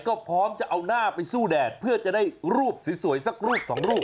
ก็พร้อมจะเอาหน้าไปสู้แดดเพื่อจะได้รูปสวยสักรูปสองรูป